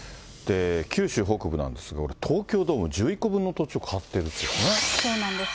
九州北部なんですが、これ、東京ドーム１１個分の土地を買ってるっていうんですね。